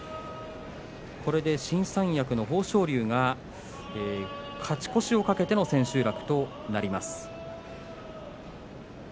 新三役の豊昇龍が勝ち越しを懸けての千秋楽となります。